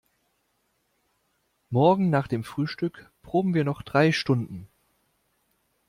Morgen nach dem Frühstück proben wir noch drei Stunden.